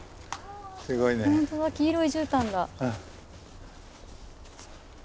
本当だ黄色いじゅうたんだ。